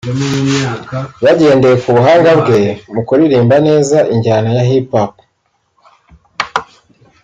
bagendeye ku buhanga bwe mu kuririmba neza injyana ya Hip Hop